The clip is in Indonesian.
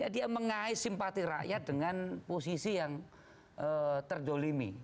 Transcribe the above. dia mengais simpati rakyat dengan posisi yang terdolimi